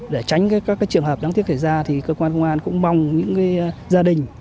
để tránh các trường hợp đáng tiếc thể ra cơ quan công an cũng mong những gia đình